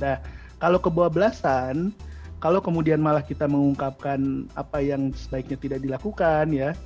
nah kalau kebawa belasan kalau kemudian malah kita mengungkapkan apa yang sebaiknya tidak dilakukan ya